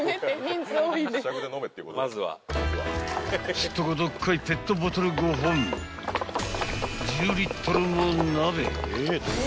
［すっとこどっこいペットボトル５本１０リットルも鍋へ］